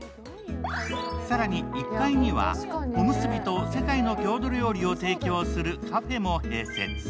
更に１階には、おむすびと世界の郷土料理を提供するカフェも併設。